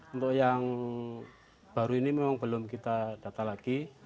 untuk yang baru ini memang belum kita data lagi